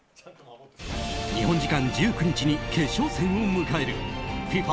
日本時間１９日に決勝戦を迎えるＦＩＦＡ